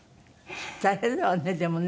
大変だわねでもね。